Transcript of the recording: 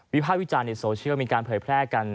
ภาควิจารณ์ในโซเชียลมีการเผยแพร่กัน